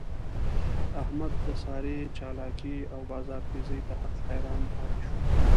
احمد د سارې چالاکی او بازار تېزۍ ته حق حیران پاتې شو.